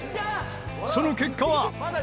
その結果は？